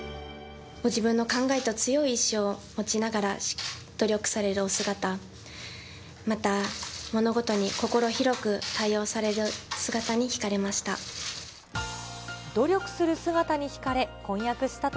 ご自分の考えと強い意志を持ちながら、努力されるお姿、また、物事に心広く対応される姿に引かれました。